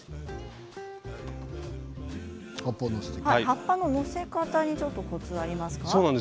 葉っぱの載せ方にコツがありますか？